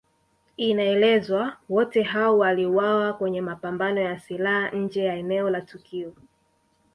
Inaelezwa wote hao waliuawa kwenye mapambano ya silaha nje ya eneo la tukio